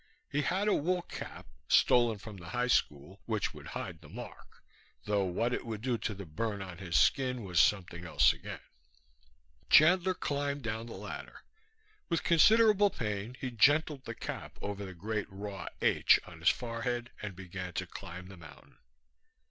He had a wool cap, stolen from the high school, which would hide the mark, though what it would do to the burn on his skin was something else again. Chandler climbed down the ladder. With considerable pain he gentled the cap over the great raw H on his forehead and began to climb the mountain.